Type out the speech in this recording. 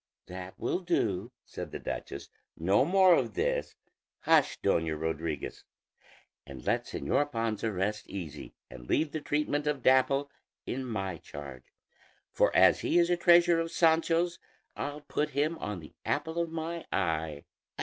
"That will do," said the duchess; "no more of this; hush, Doña Rodriguez, and let Señor Panza rest easy and leave the treatment of Dapple in my charge; for as he is a treasure of Sancho's, I'll put him on the apple of my eye."